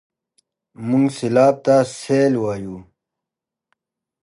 موږ سېلاب ته سېل وايو.